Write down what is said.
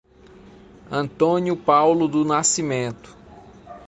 Antônio Paulo do Nascimento